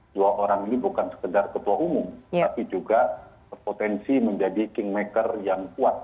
dua orang ini bukan sekedar ketua umum tapi juga berpotensi menjadi kingmaker yang kuat